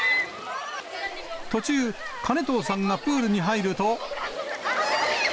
途中、金藤さんがプールに入ると。